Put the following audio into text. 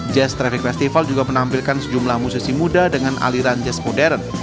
jazz traffic festival juga menampilkan sejumlah musisi muda dengan aliran jazz modern